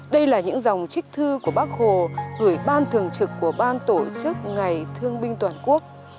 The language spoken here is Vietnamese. đây là những dòng trích thư của bác hồ gửi ban thường trực của ban tổ chức ngày thương binh toàn quốc